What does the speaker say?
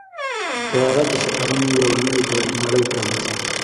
طیاره د سفرونو یو نوې نړۍ پرانیزي.